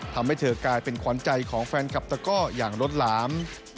ทำให้เธอกลายเป็นขวัญใจของแฟนคลับตะก้ออย่างรถหลาม